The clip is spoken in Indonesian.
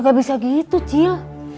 gak bisa gitu cil